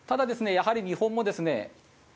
やはり日本もですね